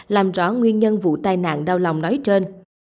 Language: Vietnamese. làm rõ nguyên nhân vụ tai nạn đau lòng nói trên